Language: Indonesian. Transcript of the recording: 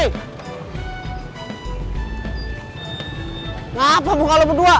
kenapa muka lo berdua